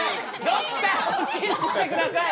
ドクターを信じてください！